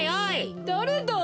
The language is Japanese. だれだ？